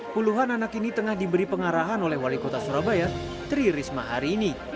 puluhan anak ini tengah diberi pengarahan oleh wali kota surabaya tri risma hari ini